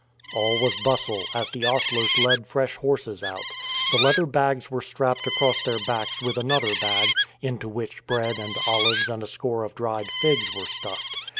All was bustle, as the ostlers led fresh horses out; the leather bags were strapped across their backs with another bag, into which bread and olives and a score of dried figs were stuffed.